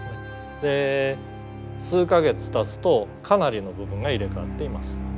で数か月たつとかなりの部分が入れ代わっています。